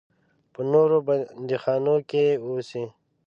په نورو بندیخانو کې اوسي.